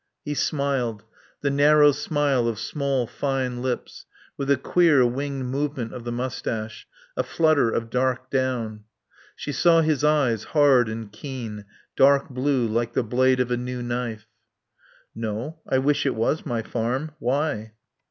He smiled; the narrow smile of small, fine lips, with a queer, winged movement of the moustache, a flutter of dark down. She saw his eyes, hard and keen, dark blue, like the blade of a new knife. "No. I wish it was my farm. Why?"